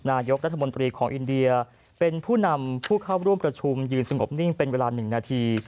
นายกรัฐมนตรีของอินเดียเป็นผู้นำผู้เข้าร่วมประชุมยืนสงบนิ่งเป็นเวลา๑นาที